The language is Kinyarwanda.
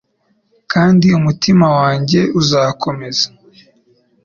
Kandi umutima wanjye uzakomeza